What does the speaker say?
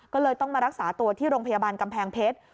ก็เลยต้องมารักษาตัวที่โรงพยาบาลกำแพงเพชร